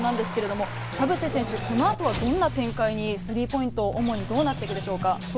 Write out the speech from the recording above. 田臥選手、この後はどんな展開にスリーポイント、主にどうなってくるでしょうか？